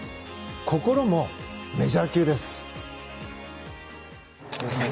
心もメジャー級です。